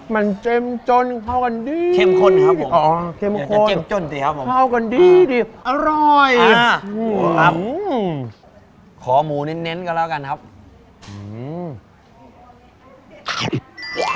มันเจ็มจนเข้ากันดีอร่อยขอหมูนิ้นนิ้นกันแล้วกันครับอื้อหู